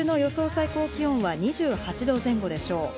最高気温は２８度前後でしょう。